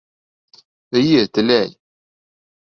Эйе, теләй!